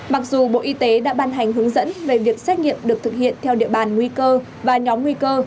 mặc dù bộ y tế đã ban hành hướng dẫn về việc xét nghiệm được thực hiện theo địa bàn nguy cơ và nhóm nguy cơ